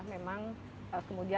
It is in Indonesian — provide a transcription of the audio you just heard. memang kemudian equipment besar